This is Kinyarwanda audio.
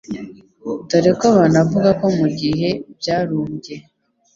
dore ko banavuga ko mu gihe byarumbye